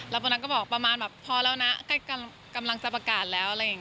แล้วตัวนั้นก็บอกพอแล้วนะกำลังจะประกาศแล้ว